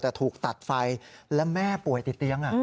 แต่ถูกตัดไฟและแม่ป่วยติดเตียง